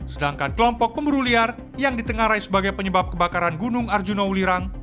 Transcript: sedangkan kelompok pemburu liar yang ditengarai sebagai penyebab kebakaran gunung arjuna ulirang